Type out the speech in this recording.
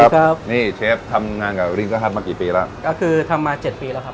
สวัสดีครับนี่เชฟทำงานกับมากี่ปีแล้วก็คือทำมาเจ็ดปีแล้วครับ